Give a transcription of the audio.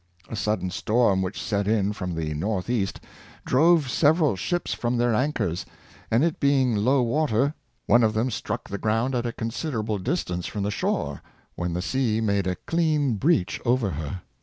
A sudden storm which set in from the northeast drove several ships from their anchors, and it being low water, one of them struck the ground at a considerable distance from the shore, when the sea made a clean breach over her.